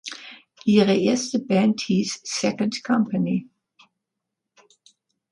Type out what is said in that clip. Ihre erste Band hieß "Second Company".